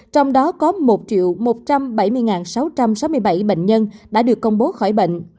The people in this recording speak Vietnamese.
trong đó có một một trăm bảy mươi sáu trăm sáu mươi bảy bệnh nhân đã được công bố khỏi bệnh